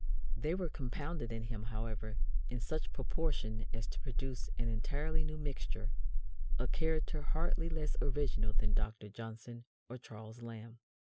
They were compounded in him, however, in such proportion as to produce an entirely new mixture a character hardly less original than Dr. Johnson or Charles Lamb.